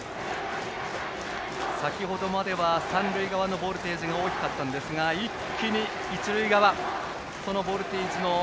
先程までは三塁側のボルテージが大きかったんですが一気に一塁側ボルテージ